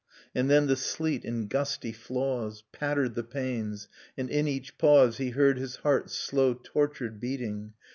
... And then the sleet, in gusty flaws. Pattered the panes, and in each pause He heard his heart's slow tortured beating.